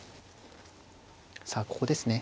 さあここですね。